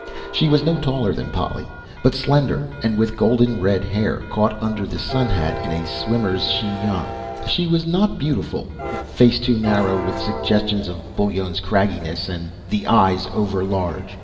She was no taller than Polly, but slender and with golden red hair caught under the sunhat in a swimmer's chignon. She was not beautiful face too narrow with suggestions of Bullone's cragginess, and the eyes overlarge.